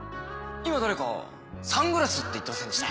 今誰か「サングラス」って言ってませんでした？